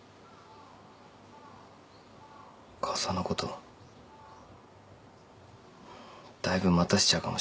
母さんのことだいぶ待たせちゃうかもしんないけど。